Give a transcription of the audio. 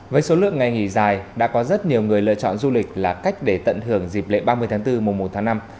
với số lượng ngày nghỉ dài đã có rất nhiều người lựa chọn du lịch là cách để tận hưởng dịp lễ ba mươi tháng bốn mùa một tháng năm